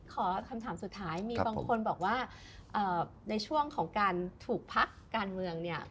ขอคำถามสุดท้ายมีบางคนบอกว่าในช่วงของการถูกพักการเมืองเนี่ย